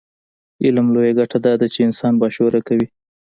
علم لویه ګټه دا ده چې انسان باشعوره کوي.